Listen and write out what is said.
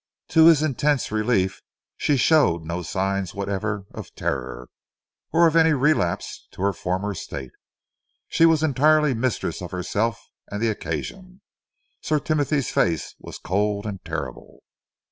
To his intense relief, she showed no signs whatever of terror, or of any relapse to her former state. She was entirely mistress of herself and the occasion. Sir Timothy's face was cold and terrible.